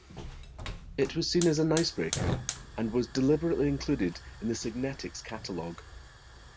It was seen as "an icebreaker" and was deliberately included in the Signetics catalog.